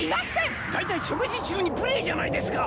だいたい食事中に無礼じゃないですか！